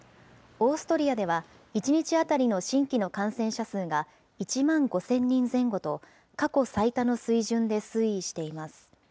オーストリアでは１日当たりの新規の感染者数が、１万５０００人前後と、過去最多の水準で推移しています。